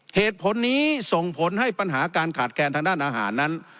เหตุผลนี้ส่งผลให้ปัญหาการขาดแคลนทางด้านอาหารนั้น